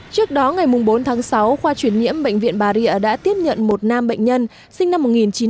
trước đó ngày bốn tháng sáu khoa chuyển nhiễm bệnh viện bà rịa đã tiếp nhận một nam bệnh nhân sinh năm một nghìn chín trăm chín mươi